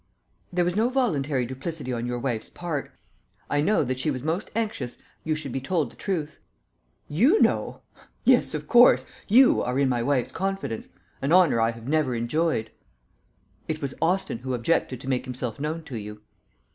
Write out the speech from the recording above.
"There was no voluntary duplicity on your wife's part. I know that she was most anxious you should be told the truth." "You know! Yes, of course; you are in my wife's confidence an honour I have never enjoyed." "It was Austin who objected to make himself known to you."